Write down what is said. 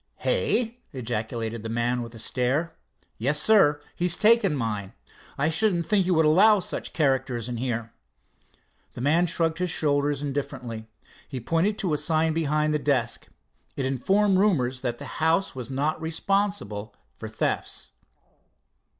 "Hey?" ejaculated the man, with a stare. "Yes, sir. He's taken mine. I shouldn't think you would allow such characters in here." The man shrugged his shoulders indifferently. He pointed to a sign behind the desk. It informed roomers that the house was not responsible for thefts.